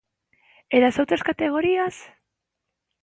E das outras categorías?